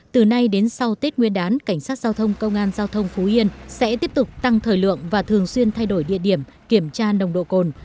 từ nay đến sau tết nguyên đán cảnh sát giao thông công an giao thông phú yên sẽ tiếp tục tăng thời lượng và thường xuyên thay đổi địa điểm kiểm tra nồng độ cồn